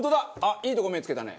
いいとこ目付けたね。